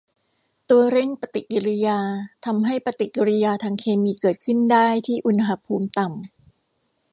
ตัวเร่งปฏิกิริยาทำให้ปฏิกิริยาทางเคมีเกิดขึ้นได้ที่อุณหภูมิต่ำ